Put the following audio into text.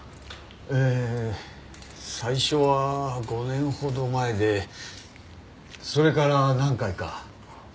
えー最初は５年ほど前でそれから何回か。